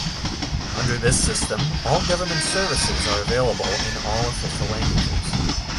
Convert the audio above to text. Under this system, all government services are available in all official languages.